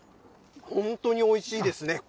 本当においしいですね。